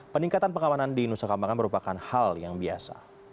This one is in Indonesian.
peningkatan pengamanan di nusa kambangan merupakan hal yang biasa